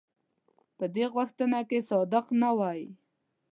په دې غوښتنه کې صادق نه وای.